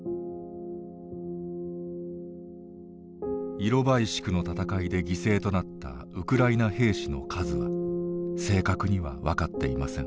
イロバイシクの戦いで犠牲となったウクライナ兵士の数は正確には分かっていません。